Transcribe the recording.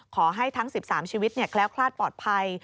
ขอให้ทั้ง๑๓ชีวิตแคล้วคลาดปลอดภัย